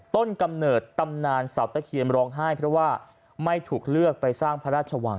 กำเนิดตำนานเสาตะเคียนร้องไห้เพราะว่าไม่ถูกเลือกไปสร้างพระราชวัง